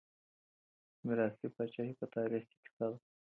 ميراثي پاچاهي په تاريخ کي کيسه ده.